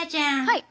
はい。